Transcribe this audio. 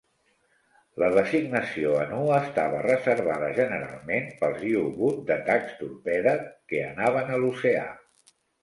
La designació en U estava reservada generalment pels u-boot d'atacs torpede que anaven a l'oceà.